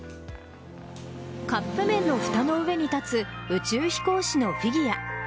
カップ麺のふたの上に立つ宇宙飛行士のフィギュア。